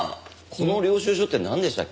この領収書ってなんでしたっけ？